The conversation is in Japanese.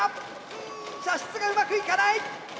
うん射出がうまくいかない。